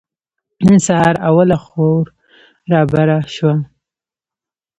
نن سهار اوله خور رابره شوه.